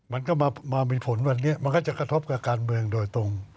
มันก็มามีผลวันนี้มันก็จะกระทบกับการเมืองโดยตรง